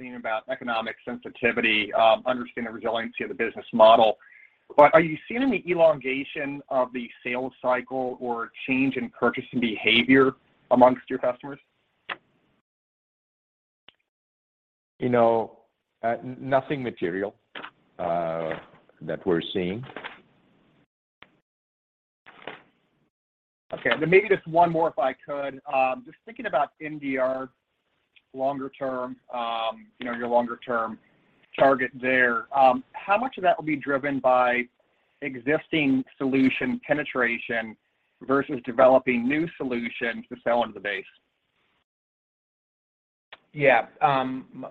Thinking about economic sensitivity, understanding the resiliency of the business model. Are you seeing any elongation of the sales cycle or change in purchasing behavior among your customers? You know, nothing material that we're seeing. Okay. Maybe just one more, if I could. Just thinking about NDR longer term, you know, your longer term target there, how much of that will be driven by existing solution penetration versus developing new solutions to sell into the base? Yeah.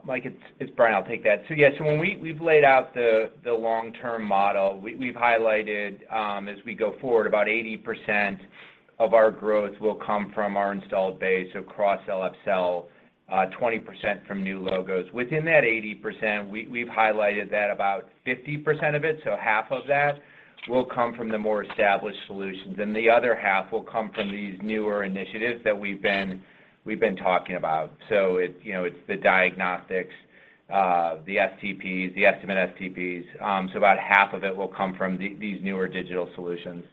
Mike, it's Brian. I'll take that. Yes, when we've laid out the long-term model, we've highlighted, as we go forward, about 80% of our growth will come from our installed base, so cross-sell, upsell, 20% from new logos. Within that 80%, we've highlighted that about 50% of it, so half of that, will come from the more established solutions, and the other half will come from these newer initiatives that we've been talking about. It, you know, it's the diagnostics, the STPs, the Estimate STPs. About half of it will come from these newer digital solutions.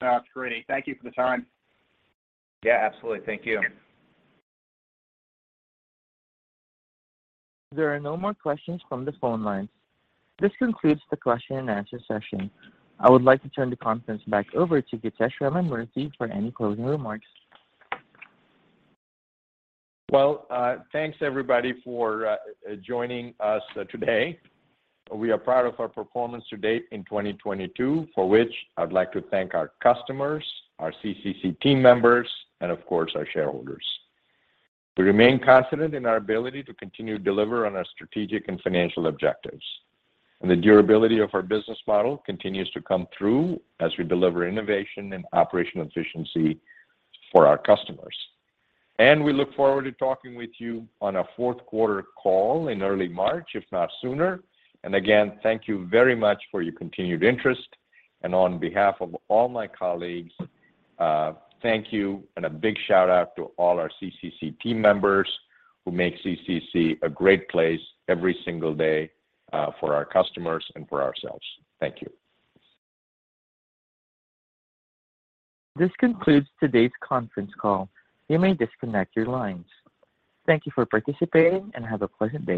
That's great. Thank you for the time. Yeah, absolutely. Thank you. There are no more questions from the phone lines. This concludes the question and answer session. I would like to turn the conference back over to Githesh Ramamurthy for any closing remarks. Well, thanks everybody for joining us today. We are proud of our performance to date in 2022, for which I'd like to thank our customers, our CCC team members, and of course, our shareholders. We remain confident in our ability to continue to deliver on our strategic and financial objectives. The durability of our business model continues to come through as we deliver innovation and operational efficiency for our customers. We look forward to talking with you on a fourth quarter call in early March, if not sooner. Again, thank you very much for your continued interest. On behalf of all my colleagues, thank you, and a big shout out to all our CCC team members who make CCC a great place every single day, for our customers and for ourselves. Thank you. This concludes today's conference call. You may disconnect your lines. Thank you for participating and have a pleasant day.